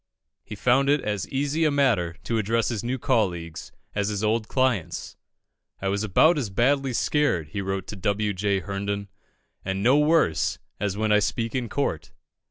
He found it as easy a matter to address his new colleagues as his old clients. "I was about as badly scared," he wrote to W. J. Herndon, "and no worse, as when I speak in court."